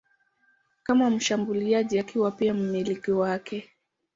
kama mshambuliaji akiwa pia mmiliki wake.